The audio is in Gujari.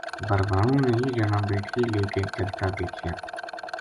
بھربھانو نے یہ جنا بیٹکی لے کے چلتا دیکھیا